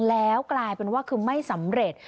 แล้วกลายเป็นว่าคือไม่สำเร็จ